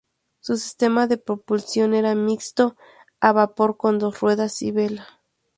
Su sistema de propulsión era mixto, a vapor con dos ruedas y vela.